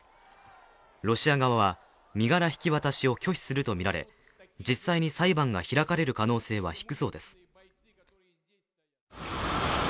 ロシア側は身柄引き渡しを拒否するとみられ、実際に裁判が開かれる可能性は低そうです。